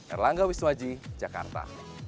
erlangga wiswaji jakarta